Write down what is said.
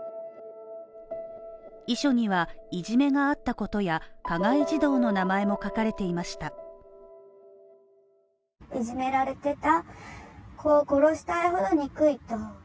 遺書にはいじめがあったことや加害児童の名前も書かれていました。